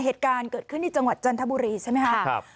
เหตุการณ์เกิดขึ้นที่จังหวัดจันทบุรีใช่ไหมครับ